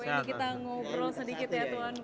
ini kita ngobrol sedikit ya tuhan guru